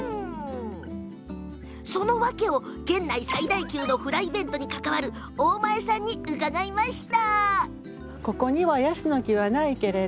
その訳を県内最大級のフライベントに関わる大前さんに伺いました。